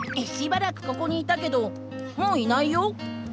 しばらくここにいたけどもういないよ。